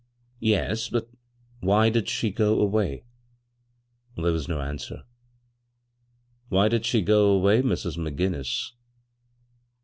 " Yes ; but why did she go away?" There was no answer. " Why did she go away, Mrs. McGinnis?"